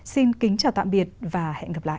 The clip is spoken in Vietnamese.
xin kính chào tạm biệt và hẹn gặp lại